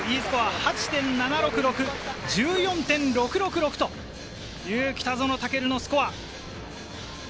８．７６６。１４．６６６という北園丈琉のスコア。